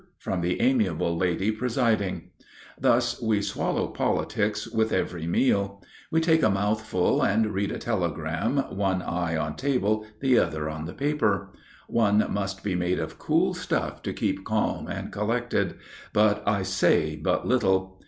from the amiable lady presiding. Thus we swallow politics with every meal. We take a mouthful and read a telegram, one eye on table, the other on the paper. One must be made of cool stuff to keep calm and collected, but I say but little.